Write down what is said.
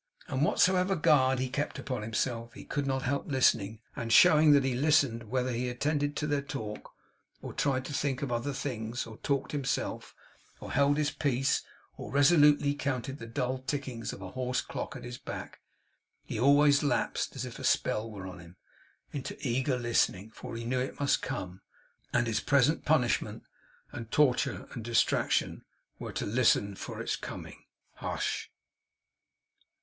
And whatsoever guard he kept upon himself, he could not help listening, and showing that he listened. Whether he attended to their talk, or tried to think of other things, or talked himself, or held his peace, or resolutely counted the dull tickings of a hoarse clock at his back, he always lapsed, as if a spell were on him, into eager listening. For he knew it must come. And his present punishment, and torture and distraction, were, to listen for its coming. Hush!